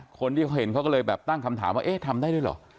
คนที่เขาเห็นเขาก็เลยแบบตั้งคำถามว่าเอ๊ะทำได้ด้วยเหรอ